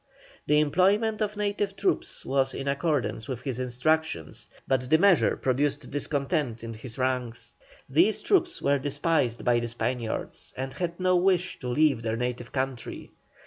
The employment of native troops was in accordance with his instructions, but the measure produced discontent in his ranks. These troops were despised by the Spaniards, and had no wish to leave their native country.